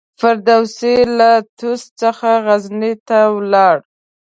فردوسي له طوس څخه غزني ته ولاړ.